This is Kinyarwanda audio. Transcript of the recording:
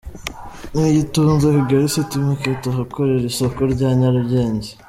Niyo itunze Kigali City Market ahakorera isoko rya Nyarugenge.